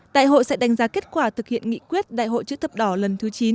đại hội sẽ đánh giá kết quả thực hiện nghị quyết đại hội chữ thập đỏ lần thứ chín